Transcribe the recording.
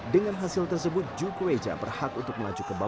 dengan hasil tersebut di sini ada dua gol yang diperlukan oleh mark klok